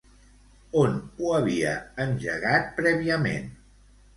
On ho havia engegat prèviament?